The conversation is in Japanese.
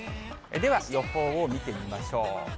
では予報を見てみましょう。